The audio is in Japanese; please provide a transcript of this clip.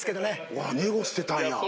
うわーネゴ捨てたんや。